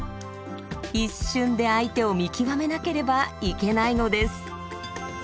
一瞬で相手を見極めなければいけないのです。